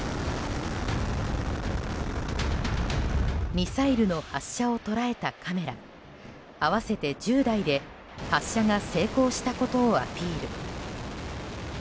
ミサイルの発射を捉えたカメラ合わせて１０台で発射が成功したことをアピール。